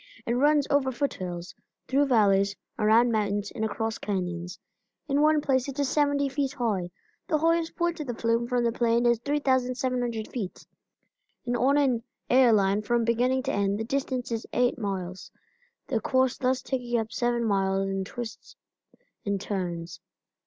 It runs over foot hills, through valleys, around mountains, and across canyons. In one place it is seventy feet high. The highest point of the flume from the plain is 3,700 feet, and on an air line, from beginning to end the distance is eight miles, the course thus taking up seven miles in twists and turns.